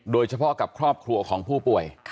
โดยเฉพาะกับครอบครัวของผู้ป่วย